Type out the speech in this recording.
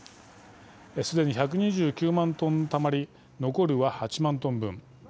すでに１２９万トンたまり残るは８万トン分。